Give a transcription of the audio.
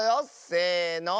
せの。